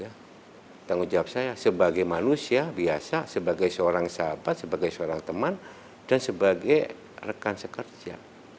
ya tanggung jawab saya sebagai manusia biasa sebagai seorang sahabat sebagai seorang teman dan sebagai rekan sekerja